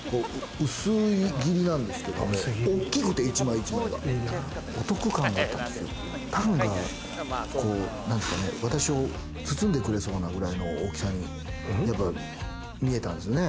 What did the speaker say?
薄切りなんですけれどもね、大きくて１枚１枚がお得感があったんですよ、タンがこう、私を包んでくれそうなくらいの大きさに見えたんですね。